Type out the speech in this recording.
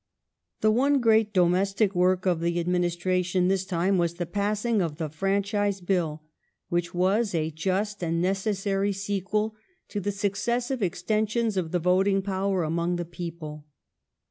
The one great domestic work of the adminis tration this time was the passing of the Franchise Bill, which was a just and necessary sequel to the successive extensions of the voting power among the people.